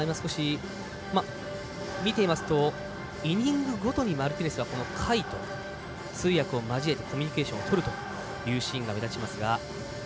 見ていますと、イニングごとにマルティネスは甲斐と通訳を交えてコミュニケーションを取るシーンが目立ちます。